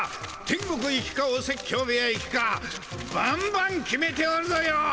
天国行きかお説教部屋行きかばんばん決めておるぞよ！